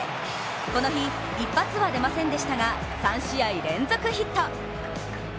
この日一発は出ませんでしたが３試合連続ヒット。